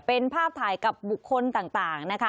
เป็นภาพถ่ายกับบุคคลต่างนะคะ